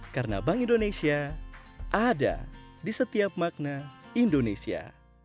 karena bank indonesia ada di setiap makna indonesia